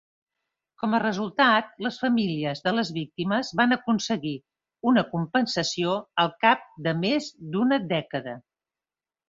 Com a resultat, les famílies de les víctimes van aconseguir una compensació al cap de més d'una dècada.